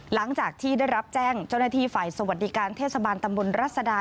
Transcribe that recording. หลังจากที่ได้รับแจ้งเจ้าหน้าที่ฝ่ายสวัสดิการเทศบาลตำบลรัศดา